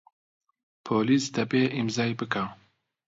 پۆلیس دەبێ ئیمزای بکا.